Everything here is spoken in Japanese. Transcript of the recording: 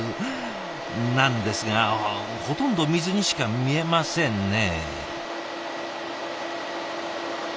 なんですがほとんど水にしか見えませんね。